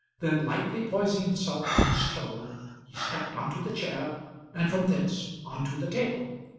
Then lightly poising himself on his toe, he stepped on to the chair, and from thence on to the table.